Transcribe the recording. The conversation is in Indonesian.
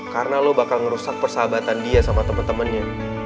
karena lo bakal ngerusak persahabatan dia sama temen temennya